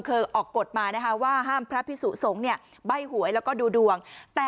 ก็มีบ้าง